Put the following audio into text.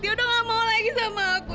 dia udah nggak mau lagi sama aku